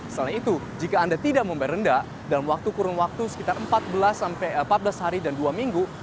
selain itu jika anda tidak membayar rendah dalam waktu kurun waktu sekitar empat belas sampai empat belas hari dan dua minggu